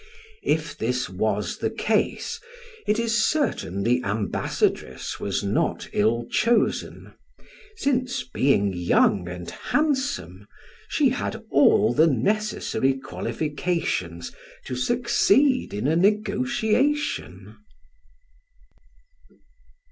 If this was the case, it is certain the ambassadress was not ill chosen, since being young and handsome, she had all the necessary qualifications to succeed in a negotiation.